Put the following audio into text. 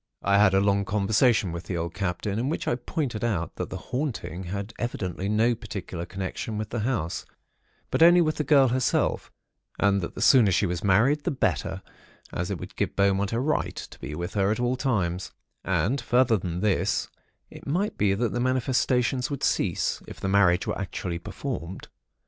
"I had a long conversation with the old Captain, in which I pointed out that the 'haunting' had evidently no particular connection with the house, but only with the girl herself, and that the sooner she was married, the better, as it would give Beaumont a right to be with her at all times; and further than this, it might be that the manifestations would cease, if the marriage were actually performed.